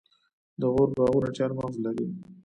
د غور باغونه چهارمغز لري.